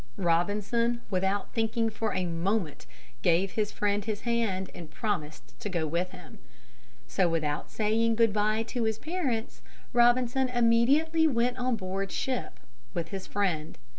Robinson, without thinking for a moment, gave his friend his hand and promised to go with him. So without saying "Good bye" to his parents, Robinson went immediately on board the ship with his friend.